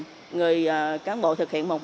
và người lòng bảo hiểm xã hội tỉnh